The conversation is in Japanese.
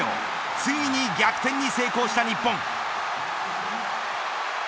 ついに逆転に成功した日本。